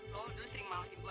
kamu dulu sering menghalaki saya